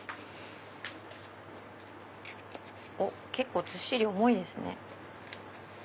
おっ結構ずっしり重いですね。